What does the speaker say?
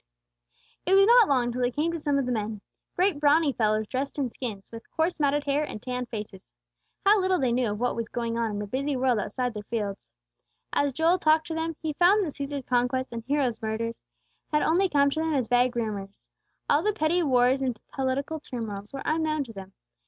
It was not long till they came to some of the men, great brawny fellows dressed in skins, with coarse matted hair and tanned faces. How little they knew of what was going on in the busy world outside their fields! As Joel talked to them he found that Cæsar's conquests and Hero's murders had only come to them as vague rumors. All the petty wars and political turmoils were unknown to them.